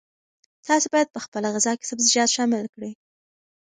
تاسي باید په خپله غذا کې سبزیجات شامل کړئ.